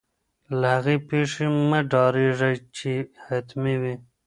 له هغې پېښې مه ډاریږئ چي حتمي وي.